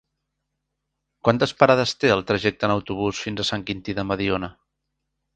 Quantes parades té el trajecte en autobús fins a Sant Quintí de Mediona?